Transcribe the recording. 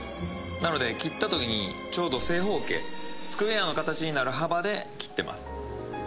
なので切った時に丁度正方形スクエアの形になる幅で切ってます。